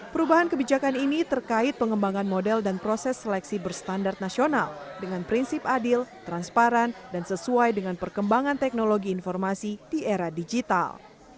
perubahan kebijakan ini terkait pengembangan model dan proses seleksi berstandar nasional dengan prinsip adil transparan dan sesuai dengan perkembangan teknologi informasi di era digital